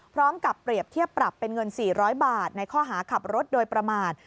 พร้อมกับเปรียบเทียบปรับเป็นเงิน๔๐๐บาทในข้อหาขับรถโดยประมาท